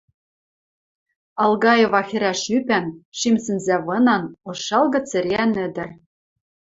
Алгаева хӹрӓш ӱпӓн, шим сӹнзӓвынан, ошалгы цӹреӓн ӹдӹр.